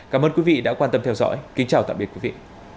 cảm ơn quý vị đã quan tâm theo dõi kính chào tạm biệt quý vị